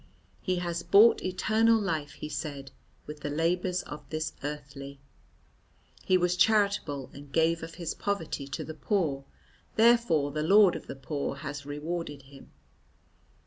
"He has bought eternal life," he said, "with the labours of the earthly. He was charitable and gave of his poverty to the poor, therefore the Lord of the Poor has rewarded him."